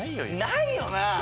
ないよな。